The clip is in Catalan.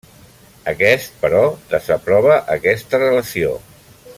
Aquest, però, desaprova aquesta relació.